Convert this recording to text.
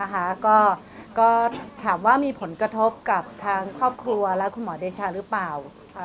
ก็ถามว่ามีผลกระทบกับทางครอบครัวและคุณหมอเดชาหรือเปล่า